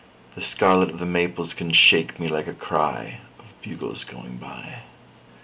The scarlet of the maples can shake me like a cryOf bugles going by.